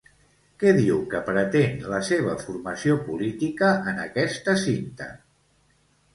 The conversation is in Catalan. Què diu que pretén la seva formació política en aquesta cinta?